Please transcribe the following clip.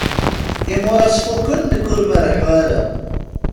Imuras fukken nekk ur merḥeɣ ara.